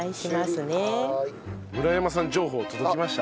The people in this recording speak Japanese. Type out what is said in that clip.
はーい。村山さん情報届きました。